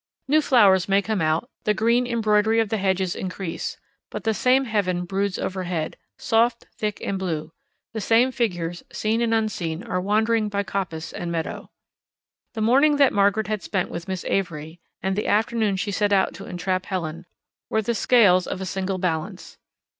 New flowers may come out, the green embroidery of the hedges increase, but the same heaven broods overhead, soft, thick, and blue, the same figures, seen and unseen, are wandering by coppice and meadow. The morning that Margaret had spent with Miss Avery, and the afternoon she set out to entrap Helen, were the scales of a single balance.